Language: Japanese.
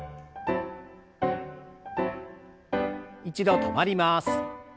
一度止まります。